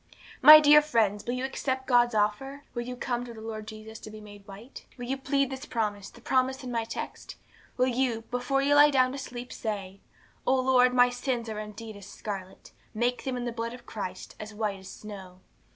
'My dear friends, will you accept God's offer? Will you come to the Lord Jesus to be made white? Will you plead this promise, the promise in my text? Will you, before you lie down to sleep, say 'O Lord, my sins are indeed as scarlet, make them, in the blood of Christ, as white as snow.